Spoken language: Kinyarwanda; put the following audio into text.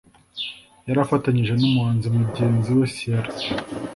yari afatanyije n’umuhanzi mugenzi we Ciara